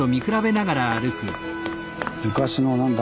昔の何だ？